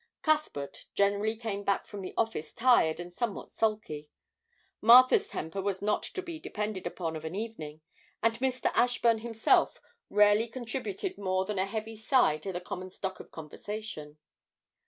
Cuthbert generally came back from the office tired and somewhat sulky; Martha's temper was not to be depended upon of an evening; and Mr. Ashburn himself rarely contributed more than a heavy sigh to the common stock of conversation.